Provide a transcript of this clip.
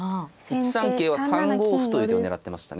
１三桂は３五歩という手を狙ってましたね。